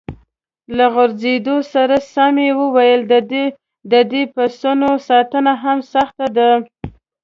له غځېدو سره سم یې وویل: د دې پسونو ساتنه هم سخته ده.